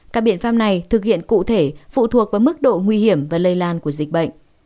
các biện pháp này thực hiện cụ thể phụ thuộc vào mức độ nguy hiểm và lây lan của dịch bệnh